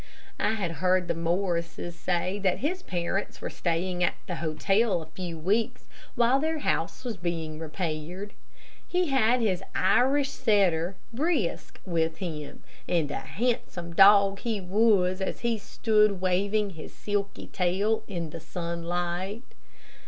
I had heard the Morrises say that his parents were staying at the hotel for a few weeks, while their house was being repaired. He had his Irish setter, Brisk, with him, and a handsome dog he was, as he stood waving his silky tail in the sunlight.